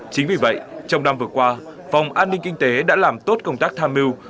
chính vì vậy trong năm vừa qua phòng an ninh kinh tế đã làm tốt công tác tham mưu